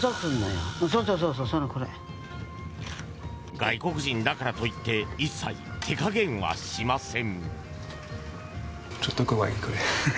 外国人だからといって一切手加減はしません。